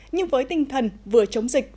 nhưng với tinh thần vừa chống dịch